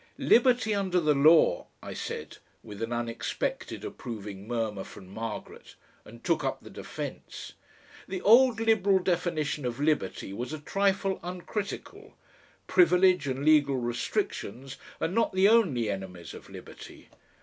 "Liberty under the law," I said, with an unexpected approving murmur from Margaret, and took up the defence. "The old Liberal definition of liberty was a trifle uncritical. Privilege and legal restrictions are not the only enemies of liberty.